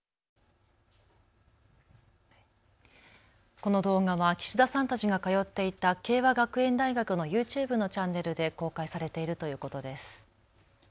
この動画は岸田さんたちが通っていた敬和学園大学のＹｏｕｔｕｂｅのチャンネルで公開されているということです。